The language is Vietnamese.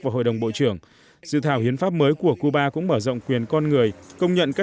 vào hội đồng bộ trưởng dự thảo hiến pháp mới của cuba cũng mở rộng quyền con người công nhận các